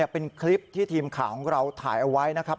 เป็นคลิปที่ทีมข่าวเราถ่ายไปนะครับ